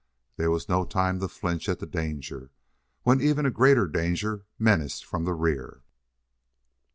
There was no time to flinch at the danger, when an even greater danger menaced from the rear.